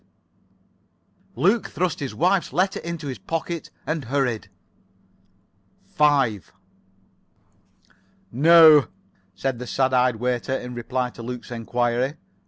Luke thrust his wife's letter into his pocket, and hurried. 5 "No," said the sad eyed waiter, in reply to Luke's enquiry.